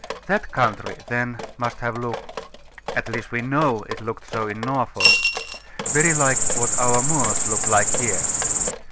The country then must have looked at least we know it looked so in Norfolk very like what our moors look like here.